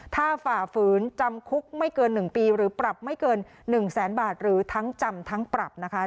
ถ้าฝ่าฝืนจำคุกไม่เกิน๑ปีหรือปรับไม่เกิน๑แสนบาทหรือทั้งจำทั้งปรับนะคะ